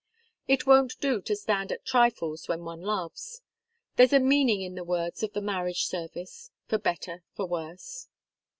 It won't do to stand at trifles when one loves. There's a meaning in the words of the marriage service 'for better, for worse.